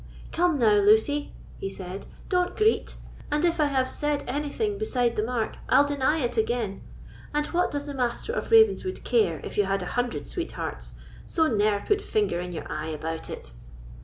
"Come now, Lucy," he said, "don't greet; and if I have said anything beside the mark, I'll deny it again; and what does the Master of Ravenswood care if you had a hundred sweethearts? so ne'er put finger in your eye about it."